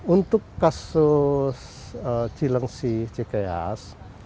untuk kasus cilengsi cikeas